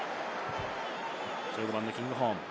１５番のキングホーン。